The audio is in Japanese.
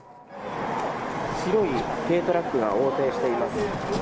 白い軽トラックが横転しています。